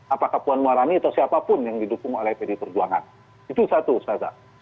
apakah puan muarani atau siapapun yang didukung oleh pd perjuangan itu satu mbak puan